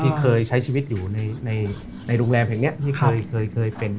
เขาเคยใช้ชีวิตอยู่ในในรูแรงแผ่งแบบเนี้ยครับได้ค่อยค่อยเป็น